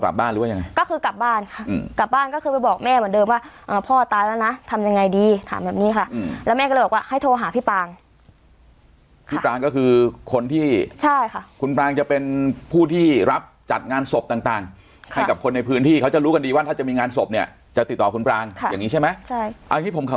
กลับบ้านหรือว่ายังไงก็คือกลับบ้านค่ะอืมกลับบ้านก็คือ